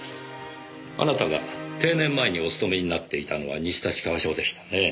あなたが定年前にお勤めになっていたのは西立川署でしたね。